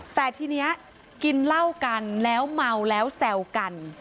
แต่ทีนี้กินเหล้ากันแล้วเมาแล้วแซวกัน